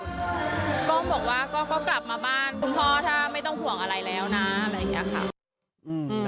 ก็บอกว่าก็กลับมาบ้านคุณพ่อถ้าไม่ต้องห่วงอะไรแล้วนะอะไรอย่างนี้ค่ะ